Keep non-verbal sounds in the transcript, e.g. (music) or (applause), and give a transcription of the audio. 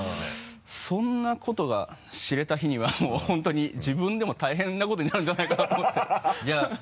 そんなことが知れた日にはもう本当に自分でも大変なことになるんじゃないかなと思って (laughs)